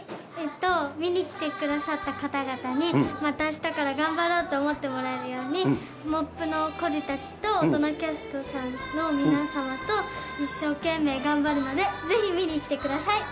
見に来てくださった方々にまた明日から頑張ろうと思ってもらえるようにモップの孤児たちと大人キャストさんの皆様と一生懸命頑張るのでぜひ見に来てください。